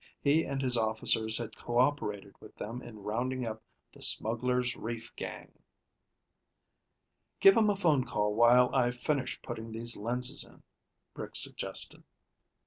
He and his officers had co operated with them in rounding up the Smugglers' Reef gang. "Give him a phone call while I finish putting these lenses in," Rick suggested.